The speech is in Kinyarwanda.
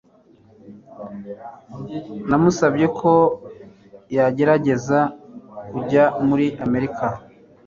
Namusabye ko yagerageza kujya muri Amerika